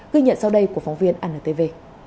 ghi nhận sau đây của phóng viên anntv